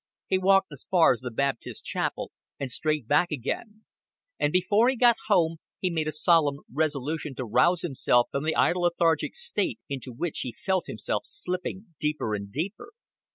He walked as far as the Baptist Chapel, and straight back again; and before he got home he made a solemn resolution to rouse himself from the idle lethargic state into which he felt himself slipping deeper and deeper.